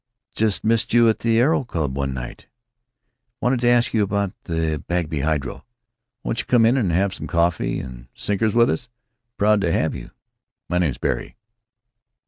Just missed you at the Aero Club one night. Wanted to ask you about the Bagby hydro. Won't you come in and have some coffee and sinkers with us? Proud to have you. My name 's Berry."